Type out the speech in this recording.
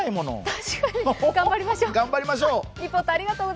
確かに、頑張りましょう。